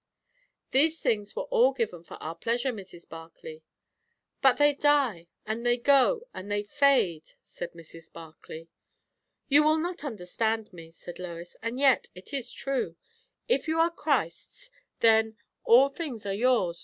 "These things were all given for our pleasure, Mrs. Barclay." "But they die and they go and they fade," said Mrs. Barclay. "You will not understand me," said Lois; "and yet it is true. If you are Christ's then, 'all things are yours